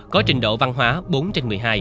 có trình độ văn hóa bốn trên một mươi hai